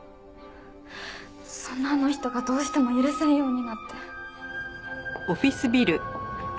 そんなあの人がどうしても許せんようになって。